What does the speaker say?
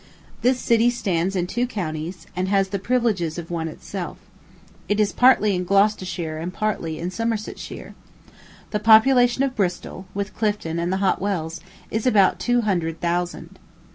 This city stands in two counties, and has the privileges of one itself. It is partly in Gloucestershire and partly in Somersetshire. The population of Bristol, with Clifton and the Hot Wells, is about two hundred thousand.